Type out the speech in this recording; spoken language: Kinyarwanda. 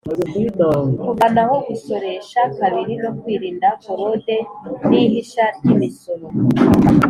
kuvanaho gusoresha kabiri no kwirinda forode n’ ihisha ry’ imisoro